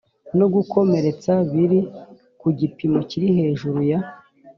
no gukomeretsa biri ku gipimo kiri hejuru ya